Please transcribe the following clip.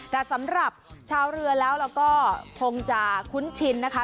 แต่สำหรับชาวเรือแล้วเราก็คงจะคุ้นชินนะคะ